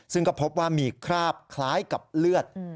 ซึ่งก็พบว่ามีคราบคล้ายกับเลือด